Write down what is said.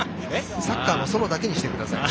「サッカーの園」だけにしてください。